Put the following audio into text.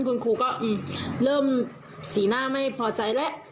คุณครูก็เริ่มสีหน้าไม่พอใจแล้ว